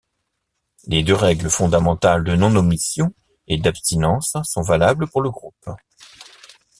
Les deux règles fondamentales de non–omission et d’abstinence sont valables pour le groupe.